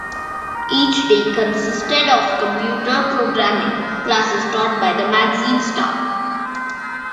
Each day consisted of computer programming classes taught by the magazine staff.